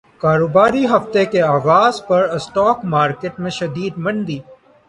کاروباری ہفتے کے اغاز پر اسٹاک مارکیٹ میں شدید مندی